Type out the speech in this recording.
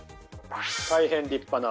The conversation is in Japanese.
大変立派な。